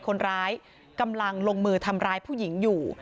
คนร้ายกำลังลงมือทำร้ายผู้หญิงอยู่